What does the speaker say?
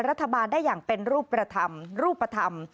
รัฐบาลได้อย่างเป็นรูปธรรม